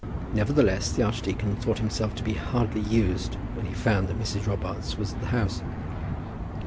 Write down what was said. Nevertheless, the archdeacon thought himself to be hardly used when he found that Mrs. Robarts was at the house.